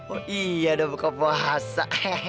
oh iya udah buka puasa